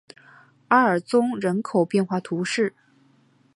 阿尔宗人口变化图示